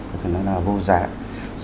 có thể nói là vô dạng